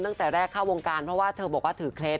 ตั้งแต่แรกเข้าวงการเพราะว่าเธอบอกว่าถือเคล็ด